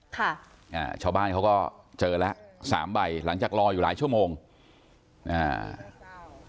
ค่ะอ่าชาวบ้านเขาก็เจอแล้วสามใบหลังจากรออยู่หลายชั่วโมงอ่า